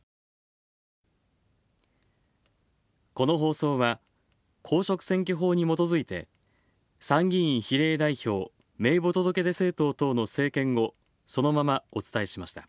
この放送は、公職選挙法にもとづいて参議院比例代表名簿届出政党等の政見をそのままお伝えしました。